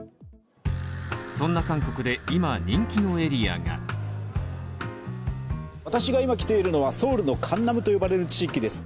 そんな韓国で今人気のエリアが私が今来ているのはソウルのカンナムと呼ばれる地域です。